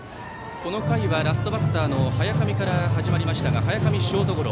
この回はラストバッターの早上から始まりましたが早上、ショートゴロ。